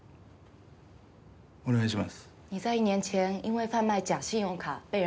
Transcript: お願いします。